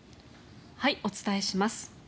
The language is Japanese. お伝えします。